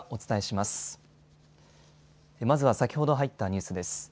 まずは先ほど入ったニュースです。